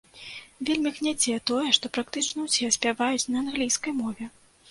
Вельмі гняце тое, што практычна ўсе спяваюць на англійскай мове.